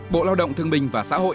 bộ lao động thương bình và xã hội